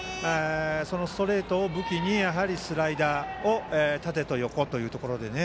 ストレートを武器にスライダー縦と横というところでね。